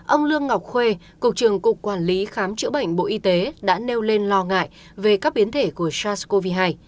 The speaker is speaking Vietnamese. ông lương ngọc khuê cục trưởng cục quản lý khám chữa bệnh bộ y tế đã nêu lên lo ngại về các biến thể của sars cov hai